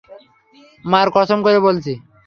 মার কসম করে বলছি!